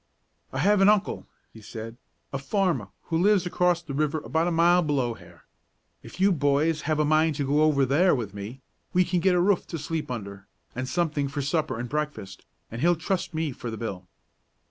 "I have an uncle," he said, "a farmer, who lives across the river about a mile below here. If you boys have a mind to go over there with me, we can get a roof to sleep under, and something for supper and breakfast, and he'll trust me for the bill."